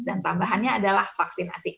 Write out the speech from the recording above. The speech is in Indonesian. dan tambahannya adalah vaksinasi